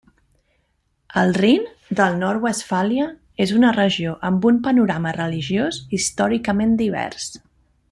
El Rin del Nord-Westfàlia és una regió amb un panorama religiós històricament divers.